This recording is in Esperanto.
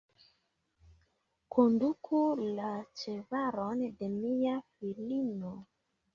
Konduku la ĉevalon de mia filino.